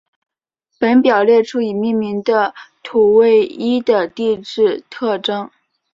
本表列出已命名的土卫一的地质特征。